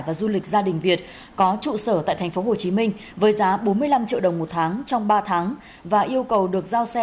và du lịch gia đình việt có trụ sở tại thành phố hồ chí minh với giá bốn mươi năm triệu đồng một tháng trong ba tháng và yêu cầu được giao xe